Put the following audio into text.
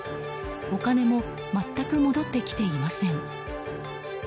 お金も全く戻ってきていません。